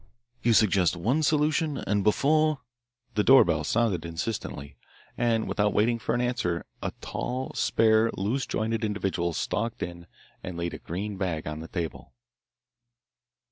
You suggest one solution and before " The door bell sounded insistently, and without waiting for an answer a tall, spare, loose jointed individual stalked in and laid a green bag on the table.